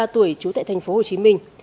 bốn mươi ba tuổi trú tại thành phố hồ chí minh